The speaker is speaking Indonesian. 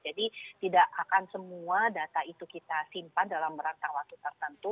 jadi tidak akan semua data itu kita simpan dalam merata waktu tertentu